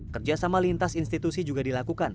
kerja sama lintas institusi juga dilakukan